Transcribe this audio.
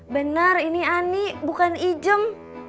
benar ini ani bukan ijem